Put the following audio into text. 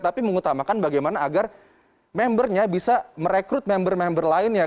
tapi mengutamakan bagaimana agar membernya bisa merekrut member member lainnya